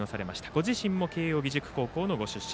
ご自身も慶応義塾高校のご出身。